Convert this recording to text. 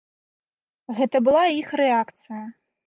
Гэта была іх рэакцыя.